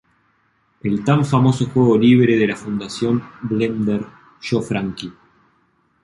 El tan famoso juego libre de la fundación blender "Yo Frankie!